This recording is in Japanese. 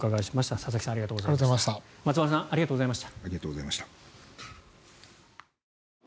佐々木さん、松丸さんありがとうございました。